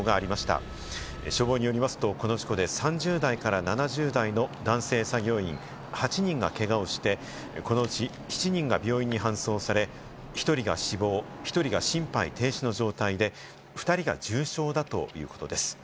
この消防によりますと、３０代から７０代の男性作業員８人がけがをして、このうち７人が病院に搬送され１人が死亡、１人が心肺停止の状態で、２人が重傷だということです。